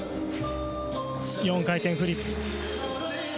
４回転フリップ。